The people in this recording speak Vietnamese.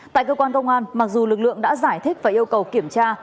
tại cơ quan công an mặc dù lực lượng đã giải thích và yêu cầu kiểm tra